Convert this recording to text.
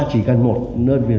chỉ cần một nơi